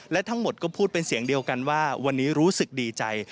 และทั้งหมดก็พูดเป็นเสียงเดียวกันว่าวันนี้รู้สึกดีใจ